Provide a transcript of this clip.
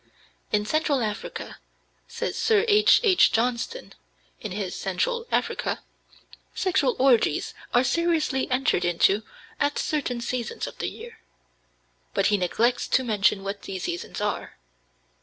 In Central Africa, says Sir H.H. Johnston, in his Central Africa, sexual orgies are seriously entered into at certain seasons of the year, but he neglects to mention what these seasons are.